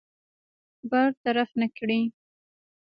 برطرف نه کړي.